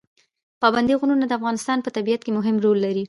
پابندی غرونه د افغانستان په طبیعت کې مهم رول لري.